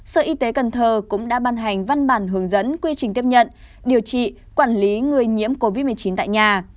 sở y tế cần thơ cũng đã ban hành văn bản hướng dẫn quy trình tiếp nhận điều trị quản lý người nhiễm covid một mươi chín tại nhà